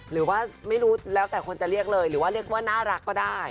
หรือว่าไม่รู้แล้วแต่คนจะเรียกเลยหรือว่าเรียกว่าน่ารักก็ได้